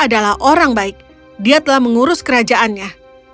ya raja adalah orang baik dia telah mengurus kerajaannya